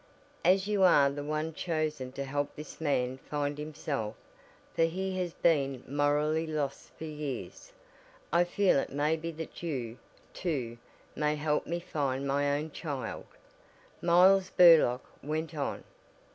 "As you are the one chosen to help this man find himself for he has been morally lost for years, I feel it may be that you, too, may help me find my own child," Miles Burlock went on.